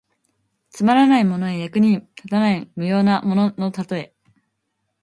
つまらないものや、役に立たない無用なもののたとえ。